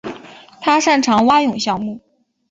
他擅长蛙泳项目。